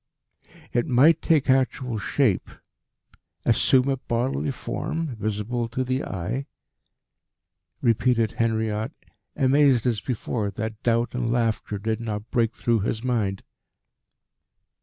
"It might take actual shape assume a bodily form visible to the eye?" repeated Henriot, amazed as before that doubt and laughter did not break through his mind.